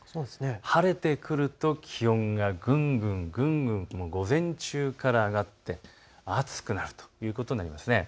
晴れてくると気温がぐんぐん、ぐんぐん午前中から上がって暑くなるということになります。